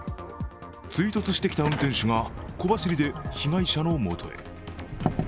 追突してきた運転手が小走りで被害者のもとへ。